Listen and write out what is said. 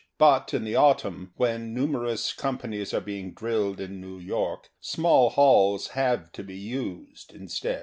But in the autumn, when nu merous companies are being drilled in New York, small halls have to be used instead.